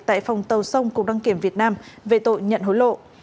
tại phòng tàu sông cục đăng kiểm việt nam về tội nhận hối lộ